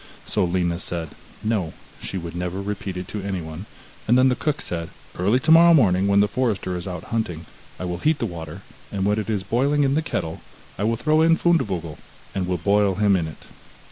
So Lina said, no, she would never repeat it to anyone, and then the cook said: 'Early tomorrow morning, when the forester is out hunting, I will heat the water, and when it is boiling in the kettle, I will throw in Fundevogel, and will boil him in it.